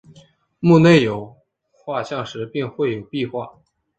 墓内有画像石并绘有壁画。